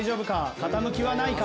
傾きはないか？